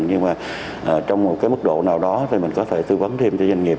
nhưng mà trong một cái mức độ nào đó thì mình có thể tư vấn thêm cho doanh nghiệp